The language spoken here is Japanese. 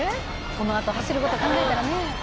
このあと走る事を考えたらね。